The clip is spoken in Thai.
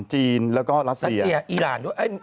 จีนแล้วก็นัทเซีย